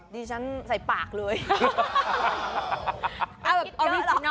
มีซอสถูกไหมแล้วก็พริกไทย